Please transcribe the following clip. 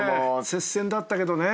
接戦だったけどね。